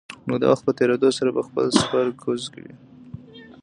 نو د وخت په تېرېدو سره به خپل سپر کوز کړي.